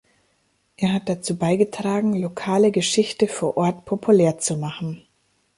Er hat dazu beigetragen, lokale Geschichte vor Ort populär zu machen.